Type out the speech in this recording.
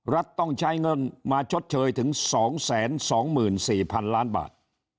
รัฐต้องใช้เงินมาชดเชยถึง๒๒๔๐๐๐ล้านบาท